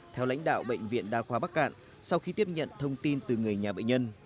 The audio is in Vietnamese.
theo lãnh đạo bệnh viện đa khoa bắc cạn sau khi tiếp nhận thông tin từ người nhà bệnh nhân